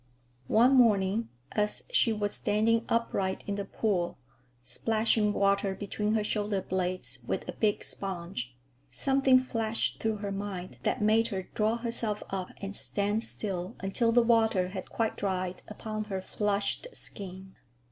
One morning, as she was standing upright in the pool, splashing water between her shoulder blades with a big sponge, something flashed through her mind that made her draw herself up and stand still until the water had quite dried upon her flushed skin.